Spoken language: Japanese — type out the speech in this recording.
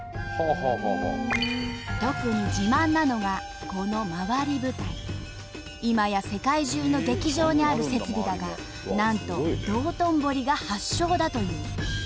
特に自慢なのがこの今や世界中の劇場にある設備だがなんと道頓堀が発祥だという。